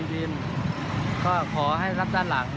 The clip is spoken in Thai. ปล่อยครับ